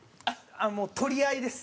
もう取り合いです。